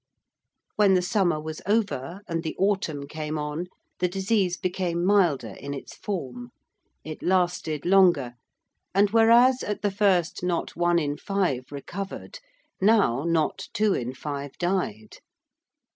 When the summer was over and the autumn came on, the disease became milder in its form: it lasted longer: and whereas, at the first, not one in five recovered, now not two in five died.